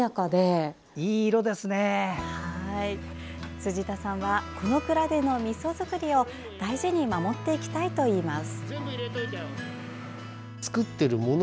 辻田さんはこの蔵でのみそ作りを大事に守っていきたいといいます。